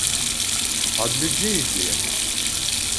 Ад людзей ідзе яно.